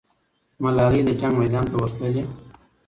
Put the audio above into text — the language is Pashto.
ملالۍ د جنګ میدان ته ورتللې.